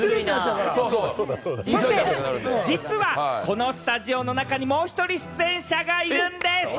実はこのスタジオの中にもう１人出演者がいるんです。